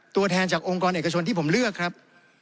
ตัวแทนจากองค์กรเอกชนที่ผมเลือกครับ